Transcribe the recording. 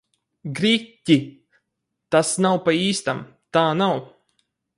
Gri-ķi! Tas nav pa īstam! Tā nav!